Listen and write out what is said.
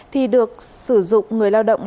thì được sử dụng người lao động